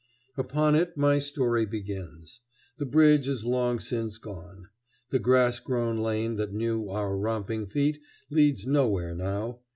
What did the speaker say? Upon it my story begins. The bridge is long since gone. The grass grown lane that knew our romping feet leads nowhere now.